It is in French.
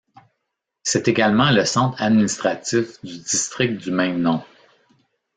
C'est également le centre administratif du district du même nom.